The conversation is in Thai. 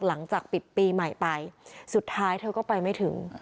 หลังจากปิดปีใหม่ไปสุดท้ายเธอก็ไปไม่ถึง